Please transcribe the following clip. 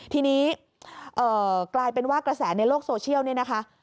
ทีนี้กลายเป็นว่ากระแสในโลกโซเชียลเนี่ยนะคะ